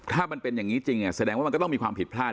ถ้ามันเป็นอย่างนี้จริงแสดงว่ามันก็ต้องมีความผิดพลาด